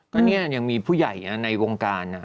ก็เนี่ยยังมีผู้ใหญ่ในวงการ